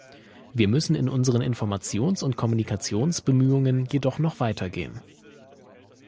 Wir müssen in unseren Informations- und Kommunikationsbemühungen jedoch noch weiter gehen.